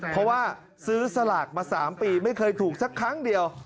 เพราะว่าซื้อสลากมา๓ปีไม่เคยถูกสักครั้งเดียว